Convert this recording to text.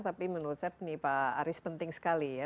tapi menurut saya nih pak aris penting sekali ya